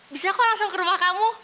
bisa kok langsung ke rumah kamu